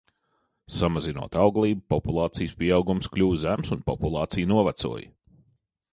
Samazinot auglību, populācijas pieaugums kļuva zems un populācija novecoja.